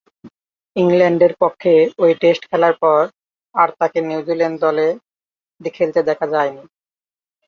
ইংল্যান্ডের বিপক্ষে ঐ টেস্ট খেলার পর আর তাকে নিউজিল্যান্ড দলে খেলতে দেখা যায়নি।